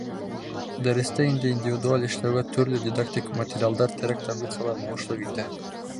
Дәрестә инде индивидуаль эшләүгә төрлө дидактик материалдар, терәк таблицалар булышлыҡ итә.